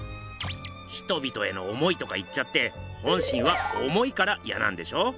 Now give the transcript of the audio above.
「人々への思い」とか言っちゃって本心は重いからイヤなんでしょ？